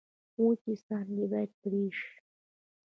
وچې څانګې باید پرې شي.